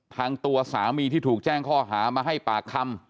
ทางตัวสามีที่ถูกแจ้งข้อหามาให้ปากคำ